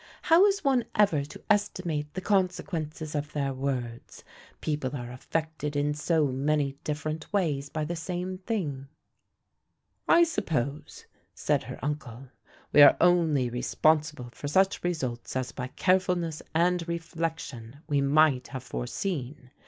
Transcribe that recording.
How is one ever to estimate the consequences of their words, people are affected in so many different ways by the same thing?" "I suppose," said her uncle, "we are only responsible for such results as by carefulness and reflection we might have foreseen.